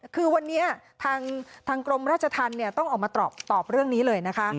คือวันนี้ทางกรมราชธรรมต้องออกมาตอบเรื่องนี้เลยนะคะ